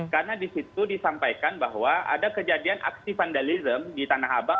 karena disitu disampaikan bahwa ada kejadian aksi vandalisme di tanah abang